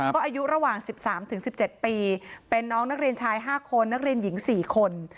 ก็อายุระหว่าง๑๓๑๗ปีเป็นน้องนักเรียนชาย๕คนนักเรียนหญิง๔คน